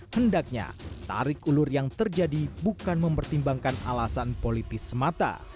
hendaknya tarik ulur yang terjadi bukan mempertimbangkan alasan politis semata